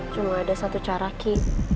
cuma ada satu cara ki